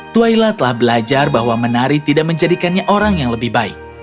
twaila telah belajar bahwa menari tidak menjadikannya orang yang lebih baik